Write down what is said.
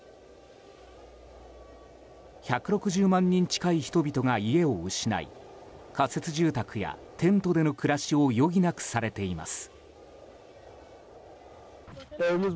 １６０万人近い人々が家を失い仮設住宅やテントでの暮らしを余儀なくされています。